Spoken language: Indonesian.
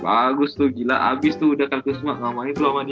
bagus tuh gila abis tuh udah kan kusuma gak main tuh sama dia